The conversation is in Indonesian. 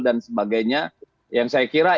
dan sebagainya yang saya kira